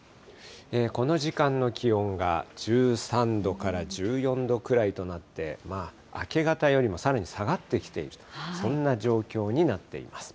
この時間の気温が１３度から１４度くらいとなって、明け方よりもさらに下がってきている、そんな状況になっています。